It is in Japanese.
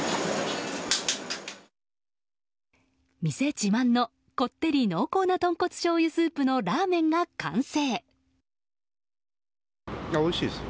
店自慢のこってり濃厚なとんこつしょうゆスープのラーメンが完成。